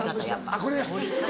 あっこれ。